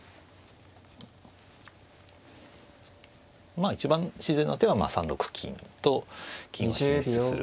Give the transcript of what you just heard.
まあ一番自然な手は３六金と金を進出する。